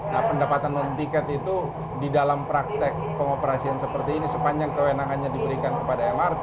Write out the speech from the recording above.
nah pendapatan non tiket itu di dalam praktek pengoperasian seperti ini sepanjang kewenangannya diberikan kepada mrt